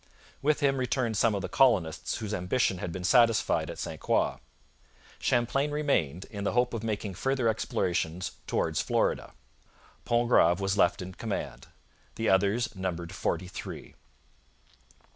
With him returned some of the colonists whose ambition had been satisfied at St Croix. Champlain remained, in the hope of making further explorations 'towards Florida.' Pontgrave was left in command. The others numbered forty three.